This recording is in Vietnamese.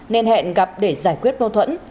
nên hẹn gặp để giải quyết mâu thuẫn